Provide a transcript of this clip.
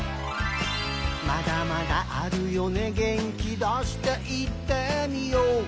「まだまだあるよね元気出して言ってみよう」